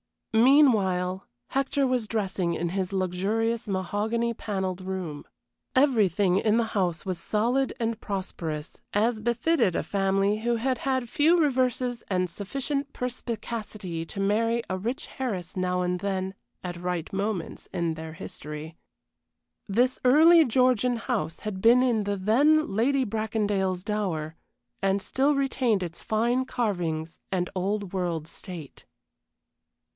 Meanwhile, Hector was dressing in his luxurious mahogany panelled room. Everything in the house was solid and prosperous, as befitted a family who had had few reverses and sufficient perspicacity to marry a rich heiress now and then at right moments in their history. This early Georgian house had been in the then Lady Bracondale's dower, and still retained its fine carvings and Old World state.